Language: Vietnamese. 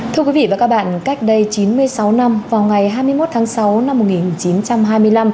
thưa quý vị và các bạn cách đây chín mươi sáu năm vào ngày hai mươi một tháng sáu năm một nghìn chín trăm hai mươi năm